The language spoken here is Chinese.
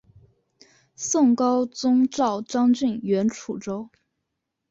宋高宗诏张俊援楚州。